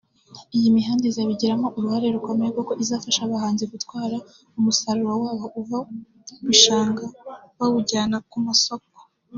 Iyi mihanda izabigiramo uruhare rukomeye kuko izafasha abahinzi gutwara umusaruro wabo uva mu bishanga bawujyana ku masoko